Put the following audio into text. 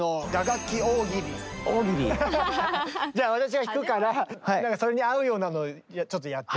大喜利⁉じゃあ私が弾くからなんかそれに合うようなのちょっとやって。